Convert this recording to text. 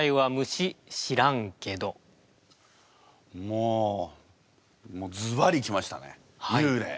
もうもうずばり来ましたね「幽霊」。